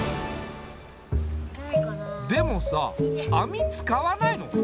でもさ網使わないの？